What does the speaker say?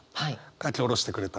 書き下ろしてくれたんだ？